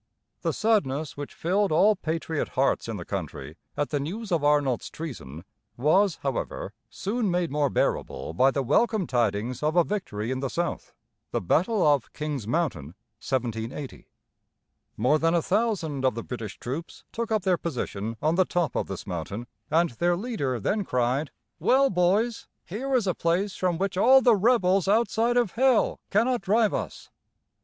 The sadness which filled all patriot hearts in the country at the news of Arnold's treason was, however, soon made more bearable by the welcome tidings of a victory in the South the battle of Kings Mountain (1780). [Illustration: Battle of Kings Mountain.] More than a thousand of the British troops took up their position on the top of this mountain, and their leader then cried: "Well, boys, here is a place from which all the rebels outside of hell cannot drive us!"